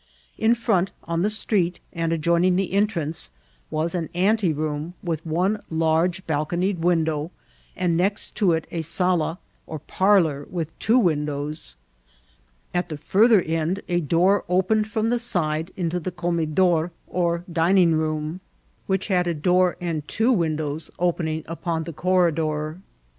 In firont^ on the street, and adjoining the entrance, was an ante room with one large balconied window, and next to it a sala or parlour, with two windows. At the farther end a door opened firom the side into die comedor or Vol. L— B b 17 194 INCIDBHTS OV TRATBL. dining room, which had a door and two windows open ing upon the corridor.